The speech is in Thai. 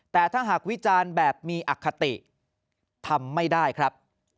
แต่ถ้าหากวิจารณ์แบบมีอคติทำไม่ได้ครับ